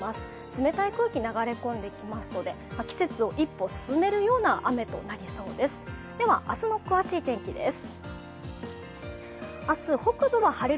冷たい空気が流れ込んできますので、季節を一歩進めるような雨となります。